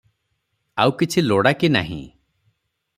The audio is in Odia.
ଆଉକିଛି ଲୋଡ଼ା କି ନାହିଁ